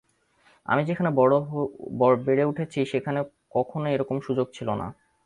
আমি যেখানে বেড়ে উঠেছি সেখানে কখনোই এরকম সুযোগ ছিলনা।